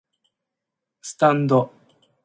スタンド